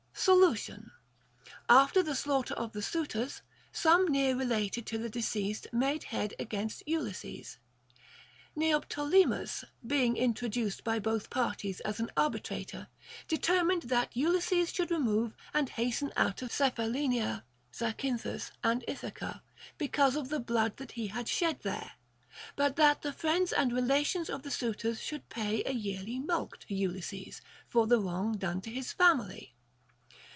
Solution. After the slaughter of the suitors, some near related to the deceased made head against Ulysses. Neop tolemus, being introduced by both parties as an arbitrator, determined that Ulysses should remove and hasten out of Cephalenia, Zacynthus, and Ithaca, because of the blood that he had shed there ; but that the friends and relations of the suitors should pay a yearly mulct to Ulysses, for the wrong done to his family.